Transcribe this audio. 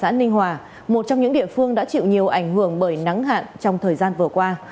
xã ninh hòa một trong những địa phương đã chịu nhiều ảnh hưởng bởi nắng hạn trong thời gian vừa qua